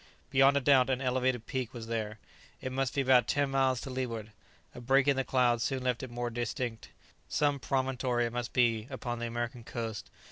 Beyond a doubt an elevated peak was there. It must be about ten miles to leeward. A break in the clouds soon left it more distinct. Some promontory it must be upon the American coast.